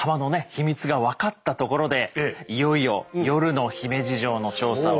秘密が分かったところでいよいよ夜の姫路城の調査を。